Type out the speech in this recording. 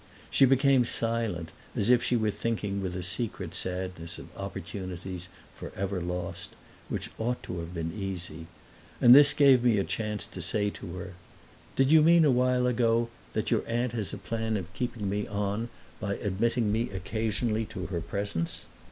She became silent, as if she were thinking with a secret sadness of opportunities, forever lost, which ought to have been easy; and this gave me a chance to say to her, "Did you mean a while ago that your aunt has a plan of keeping me on by admitting me occasionally to her presence?"